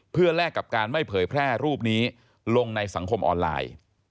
เพื่อแลกกับการไม่เผยแพร่รูปนี้ลงในสังคมออนไลน์